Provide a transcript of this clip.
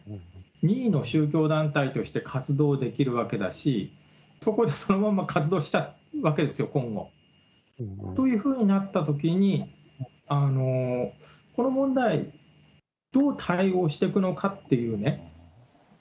任意の宗教団体として活動できるわけだし、そこでそのまま活動しちゃうわけですよ、今後。というふうになったときに、この問題、どう対応していくのかっていうね。